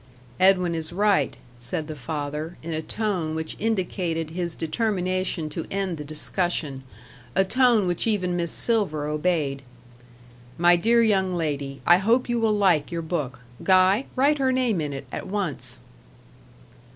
"Edwin is right," said the father, in a tone which indicated his determination to end the discussion, a tone which even Miss Silver obeyed. "My dear young lady, I hope you will like your book; Guy, write her name in it at once."